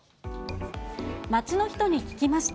街の人に聞きました。